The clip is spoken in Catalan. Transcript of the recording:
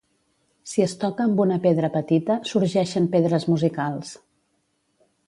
Si es toca amb una pedra petita, sorgeixen pedres musicals.